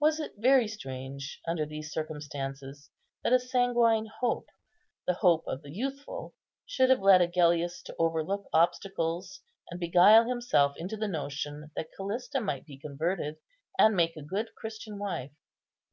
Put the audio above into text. Was it very strange, under these circumstances, that a sanguine hope, the hope of the youthful, should have led Agellius to overlook obstacles, and beguile himself into the notion that Callista might be converted, and make a good Christian wife?